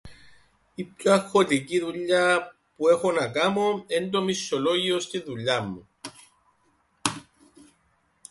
Η πιο αγχωτική δουλειά που έχω να κάμω εν' το μισθολόγιον στην δουλειάν μου.